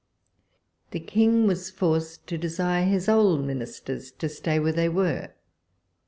The King was forced to desire his old Ministers to stay where they were.